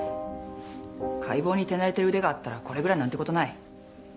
解剖に手慣れてる腕があったらこれぐらい何てことない。